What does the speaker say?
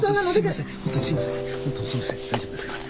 大丈夫ですから。